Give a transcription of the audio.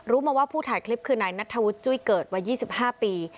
มาว่าผู้ถ่ายคลิปคือนายนัทธวุฒิจุ้ยเกิดวัย๒๕ปี